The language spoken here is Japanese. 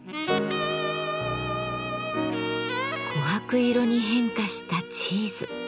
こはく色に変化したチーズ。